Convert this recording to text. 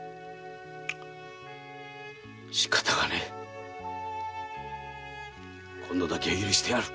しかたがねぇ今度だけは許してやる。